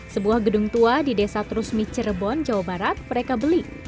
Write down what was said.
sebuah gedung tua di desa terusmi cirebon jawa barat mereka beli